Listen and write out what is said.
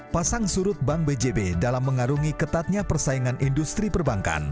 pasang surut bank bjb dalam mengarungi ketatnya persaingan industri perbankan